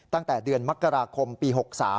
ตั้งแต่เดือนมกราคมปี๖๓